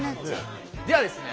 ではですね